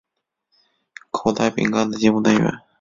口袋饼干的节目单元。